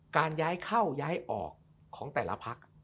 การย้ายเข้าย้ายออกของแต่ละพัก